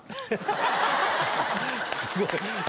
すごい！